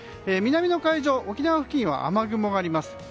南の海上沖縄付近は雨雲があります。